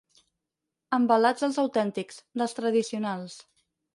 Envelats dels autèntics, dels tradicionals.